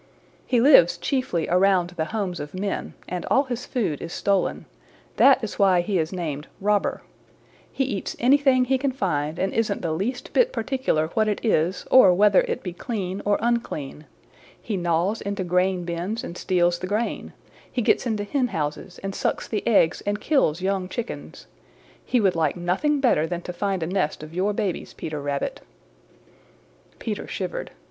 "He lives chiefly around the homes of men, and all his food is stolen. That is why he is named Robber. He eats anything he can find and isn't the least bit particular what it is or whether it be clean or unclean. He gnaws into grain bins and steals the grain. He gets into hen houses and sucks the eggs and kills young chickens. He would like nothing better than to find a nest of your babies, Peter Rabbit." Peter shivered.